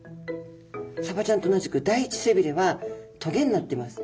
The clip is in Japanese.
サバちゃんと同じく第１背びれはトゲになっています。